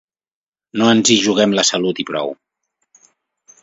No ens hi juguem la salut i prou.